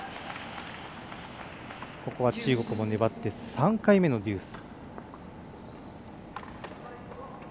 中国粘って３回目のデュース。